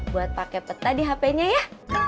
buat pake peta di hpnya ya